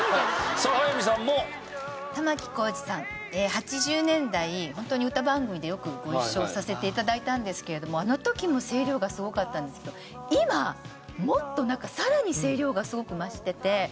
８０年代ホントに歌番組でよくご一緒させて頂いたんですけれどもあの時も声量がすごかったんですけど今もっとなんかさらに声量がすごく増してて。